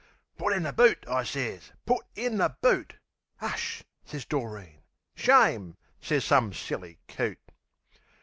"Put in the boot!" I sez. "Put in the boot!" "'Ush!" sez Doreen..."Shame!" sez some silly coot.